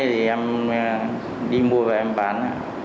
thì em đi mua và em bán